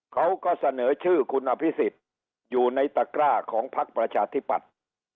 เขาก็เสนอชื่อคุณอภิษฎอยู่ในตะกร้าของพักประชาธิปัตย์